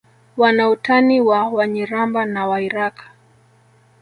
Wana utani na Wanyiramba na Wairaqw